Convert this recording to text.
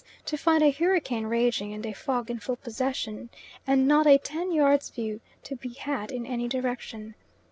to find a hurricane raging and a fog in full possession, and not a ten yards' view to be had in any direction.